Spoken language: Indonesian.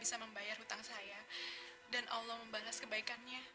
sampai jumpa di video selanjutnya